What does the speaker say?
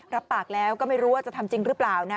รับปากแล้วก็ไม่รู้ว่าจะทำจริงหรือเปล่านะ